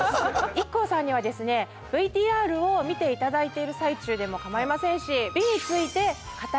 ＩＫＫＯさんにはですねＶＴＲを見ていただいている最中でも構いませんし美について語りたくなったら。